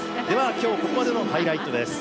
今日、ここまでのハイライトです。